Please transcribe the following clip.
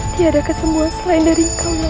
tiada kesemua selain dari kau ya allah